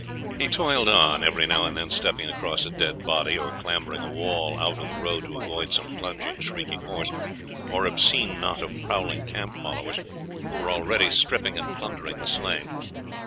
He toiled on, every now and then stepping across a dead body, or clambering a wall out of the road, to avoid some plunging, shrieking horse, or obscene knot of prowling camp followers, who were already stripping and plundering the slain....